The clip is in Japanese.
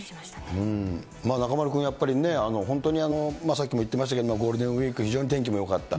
中丸君、やっぱりね、本当にさっきも言ってましたけど、ゴールデンウィーク、非常に天気もよかった。